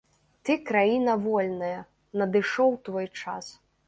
Ты краіна вольная, надышоў твой час.